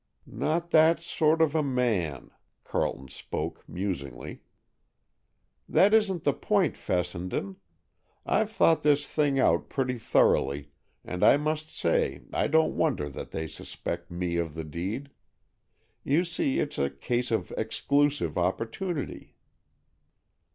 "Not that sort of a man;" Carleton spoke musingly. "That isn't the point, Fessenden. I've thought this thing out pretty thoroughly, and I must say I don't wonder that they suspect me of the deed. You see, it's a case of exclusive opportunity."